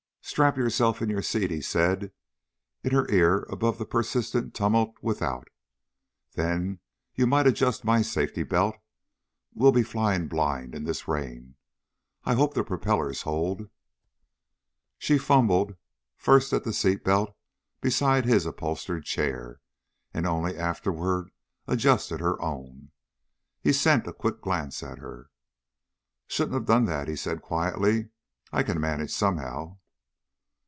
"Strap yourself in your seat," he said in her ear above the persistent tumult without. "Then you might adjust my safety belt. Well be flying blind in this rain. I hope the propellers hold." She fumbled, first at the belt beside his upholstered chair, and only afterward adjusted her own. He sent a quick glance at her. "Shouldn't have done that," he said quietly. "I can manage somehow."